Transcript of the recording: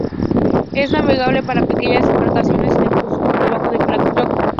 Es navegable para pequeñas embarcaciones en el curso por debajo de Black Canyon.